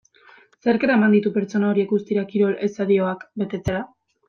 Zerk eraman ditu pertsona horiek guztiak kirol estadioak betetzera?